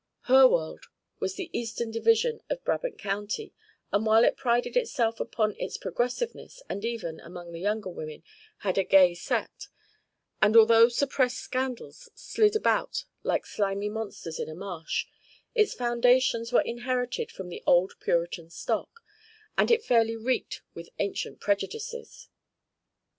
Her world was the eastern division of Brabant County, and while it prided itself upon its progressiveness, and even among the younger women had a gay set, and although suppressed scandals slid about like slimy monsters in a marsh, its foundations were inherited from the old Puritan stock, and it fairly reeked with ancient prejudices.